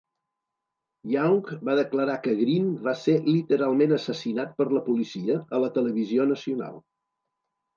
Young va declarar que Green va ser "literalment assassinat per la policia" a la televisió nacional.